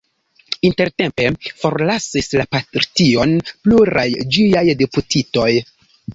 Intertempe forlasis la partion pluraj ĝiaj deputitoj.